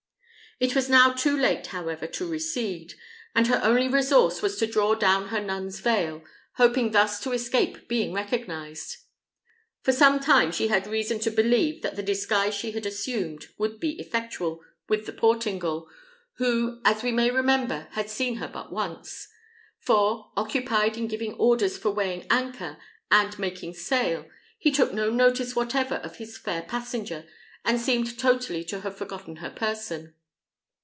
It was too late now, however, to recede; and her only resource was to draw down her nun's veil, hoping thus to escape being recognised. For some time she had reason to believe that the disguise she had assumed would be effectual with the Portingal, who, as we may remember, had seen her but once; for, occupied in giving orders for weighing anchor and making sail, he took no notice whatever of his fair passenger, and seemed totally to have forgotten her person.